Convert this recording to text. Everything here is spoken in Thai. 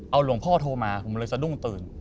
เอาหลวงพ่อโทรมาผมเลยสะดุ้งตื่น